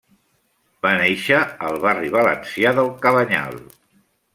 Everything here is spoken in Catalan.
Va nàixer al barri valencià del Cabanyal.